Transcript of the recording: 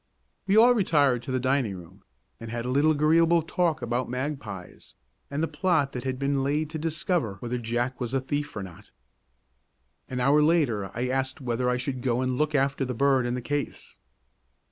We all retired to the dining room, and had a little agreeable talk about magpies, and the plot that had been laid to discover whether Jack was a thief or not. An hour later I asked whether I should go and look after the bird and the case.